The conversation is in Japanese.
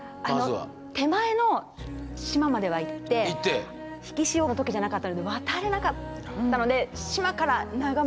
手前の島までは行って引き潮の時じゃなかったので渡れなかったので島から眺めた。